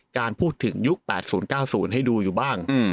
การพูดถึงยุค๘๐๙๐ให้ดูอยู่บ้าง